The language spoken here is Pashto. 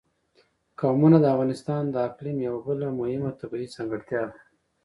قومونه د افغانستان د اقلیم یوه بله مهمه طبیعي ځانګړتیا ده.